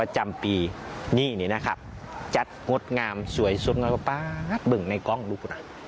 จัดงดงามสวยสุดแล้วก็ปะบึงในกล้องลูก